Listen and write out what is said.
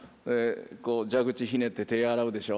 蛇口ひねって手洗うでしょ。